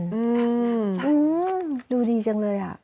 อืมดูดีจังเลย